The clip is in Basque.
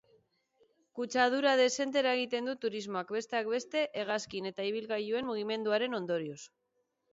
Kutsadura dezente eragiten du turismoak, besteak beste hegazkin eta ibilgailuen mugimenduaren ondorioz.